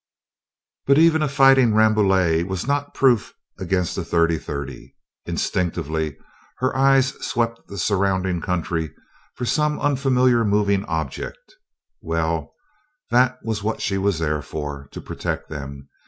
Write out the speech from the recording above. But even a fighting Rambouillet was not proof against a 30 30. Instinctively her eyes swept the surrounding country for some unfamiliar moving object. Well, that was what she was there for to protect them.